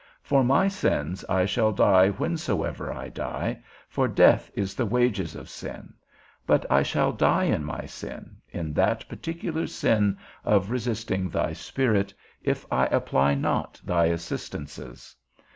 For my sins I shall die whensoever I die, for death is the wages of sin; but I shall die in my sin, in that particular sin of resisting thy Spirit, if I apply not thy assistances.